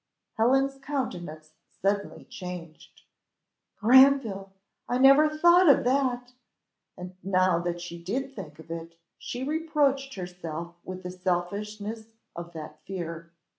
Helen's countenance suddenly changed "Granville! I never thought of that!" and now that she did think of it, she reproached herself with the selfishness of that fear.